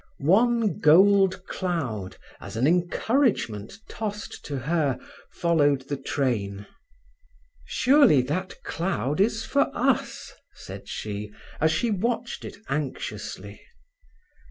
One gold cloud, as an encouragement tossed to her, followed the train. "Surely that cloud is for us," said she, as she watched it anxiously.